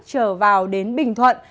trở vào đến bình thuận